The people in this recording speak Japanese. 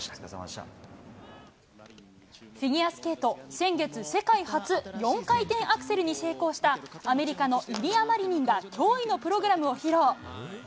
フィギュアスケート、先月、世界初４回転アクセルに成功したアメリカのイリア・マリニンが驚異のプログラムを披露。